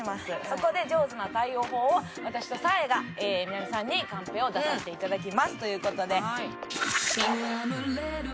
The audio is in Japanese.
そこで上手な対応法を私とサーヤがみな実さんにカンペを出させていただきますという事で。